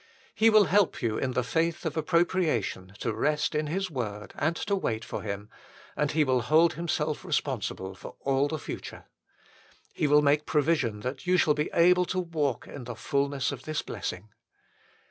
He will help you in the faith of appropriation to rest in His word and to wait for Him ; and He will hold Himself responsible for all the future. He will make provision that you shall be able to walk in the fulness of this blessing.